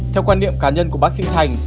theo quan niệm cá nhân của bác sĩ thành